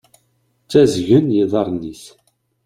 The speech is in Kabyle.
Ttazgen yiḍarren-is.